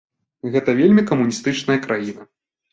Гэта вельмі камуністычная краіна.